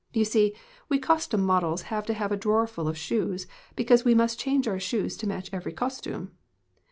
'You see, we costume models have to have a drawer full of shoes, because we must change our shoes to match every costume.'